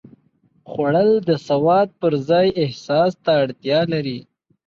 خوړل د سواد پر ځای احساس ته اړتیا لري